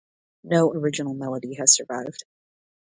No original melody has survived.